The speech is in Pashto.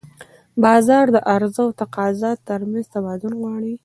بازار د عرضه او تقاضا ترمنځ توازن غواړي.